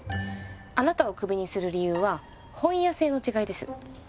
あなたをクビにする理由は本屋性の違いです。